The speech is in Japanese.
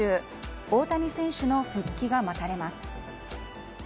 大谷選手の復帰が待たれます。